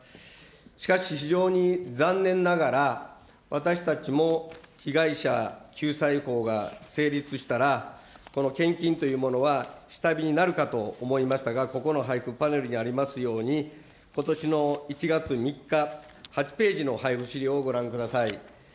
しかし、非常に残念ながら、私たちも被害者救済法が成立したら、献金というものは下火になるかと思いましたが、ここのパネルにありますように、ことしの１月３日、８ページの配布資料をご覧ください。